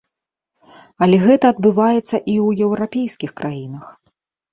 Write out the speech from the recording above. Але гэта адбываецца і ў еўрапейскіх краінах.